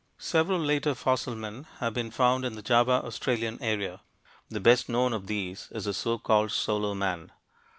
Several later fossil men have been found in the Java Australian area. The best known of these is the so called Solo man.